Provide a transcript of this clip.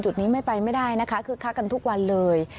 จุดนี้ไม่ไปไม่ได้นะคะคึกคักกันทุกวันเลย